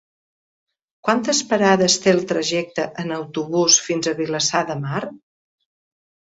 Quantes parades té el trajecte en autobús fins a Vilassar de Mar?